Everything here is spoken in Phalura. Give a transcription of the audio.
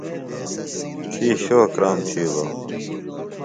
تھی شو کرام تھِیلوۡ ہِنوۡ۔